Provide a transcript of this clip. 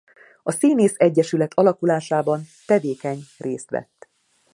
A Színészegyesület alakulásában tevékeny részt vett.